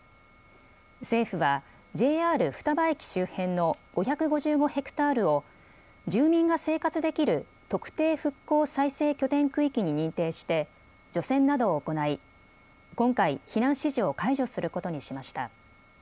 政府はＪＲ双葉駅周辺の５５５ヘクタールを住民が生活できる特定復興再生拠点区域に認定して除染などを行い今回、避難指示を解除することにしました。